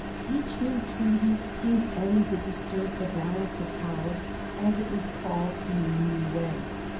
Each new treaty seemed only to disturb the balance of power, as it was called, in a new way.